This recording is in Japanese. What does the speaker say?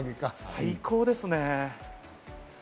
最高ですね。